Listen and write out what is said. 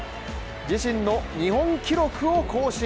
自身の日本記録を更新。